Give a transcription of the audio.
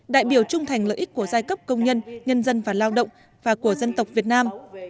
đại biểu trung thành lợi ích của giai cấp công nhân nhân dân và lao động và của dân tộc việt nam